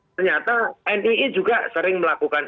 ternyata nii juga sering melakukan